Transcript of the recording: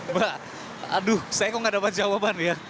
mbak aduh saya kok gak dapat jawaban ya